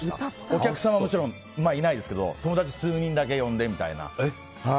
お客さんはもちろんいないですけど友達数人だけ呼んでみたいな。